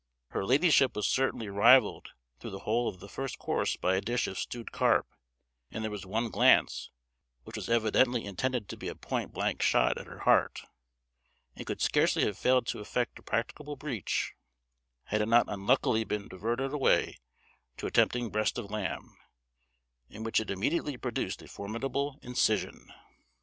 Her ladyship was certainly rivalled through the whole of the first course by a dish of stewed carp; and there was one glance, which was evidently intended to be a point blank shot at her heart, and could scarcely have failed to effect a practicable breach, had it not unluckily been diverted away to a tempting breast of lamb, in which it immediately produced a formidable incision.